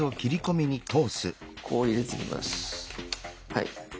はい。